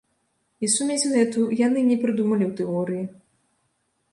І сумесь гэту яны не прыдумалі ў тэорыі.